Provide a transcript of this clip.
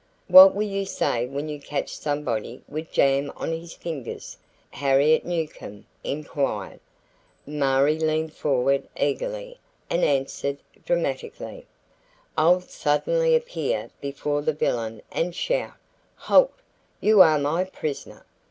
"What will you say when you catch somebody with jam on his fingers?" Harriet Newcomb inquired. Marie leaned forward eagerly and answered dramatically: "I'll suddenly appear before the villain and shout: 'Halt, you are my prisoner!